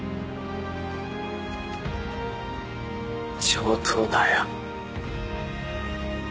上等だよ。